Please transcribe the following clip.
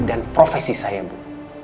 dan profesi saya bu